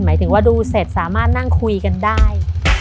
หมายถึงว่าดูเสร็จสามารถนั่งคุยกันได้